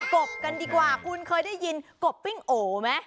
บกันดีกว่าคุณเคยได้ยินกบปิ้งโอไหม